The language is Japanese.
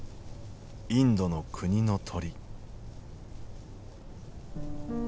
インドの国の鳥。